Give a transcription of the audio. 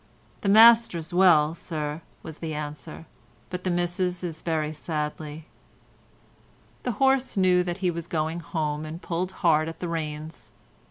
"The Master's well, sir," was the answer, "but the Missis is very sadly." The horse knew that he was going home and pulled hard at the reins.